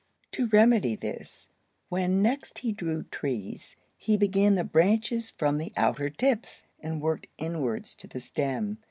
To remedy this, when next he drew trees, he began the branches from the outer tips, and worked inwards to the stem.